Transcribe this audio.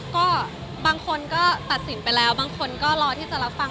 ก็บางคนก็ตัดสินไปแล้วบางคนก็รอที่จะรับฟัง